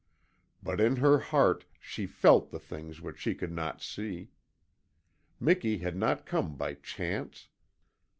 But in her heart she FELT the things which she could not see. Miki had not come by chance.